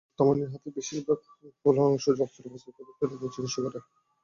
মুক্তামণির হাতের বেশির ভাগ ফোলা অংশ অস্ত্রোপচার করে ফেলে দেন চিকিৎসকেরা।